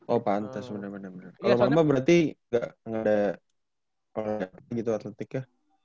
oh pantas bener bener kalau mama berarti gak ada gitu atletiknya